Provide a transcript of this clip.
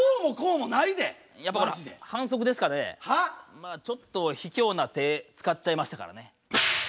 まあちょっとひきょうな手使っちゃいましたからね。